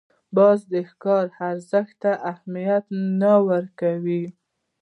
باز د ښکار زړښت ته اهمیت نه ورکوي